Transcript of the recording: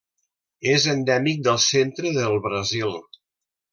És endèmic del centre del Brasil.